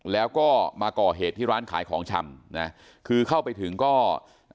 แล้วก็มาก่อเหตุที่ร้านขายของชำนะคือเข้าไปถึงก็อ่า